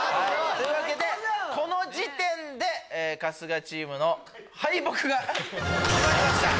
この時点で春日チームの敗北が決まりました。